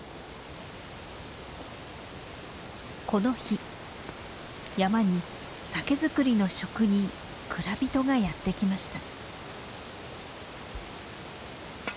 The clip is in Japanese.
この日山に酒造りの職人蔵人がやって来ました。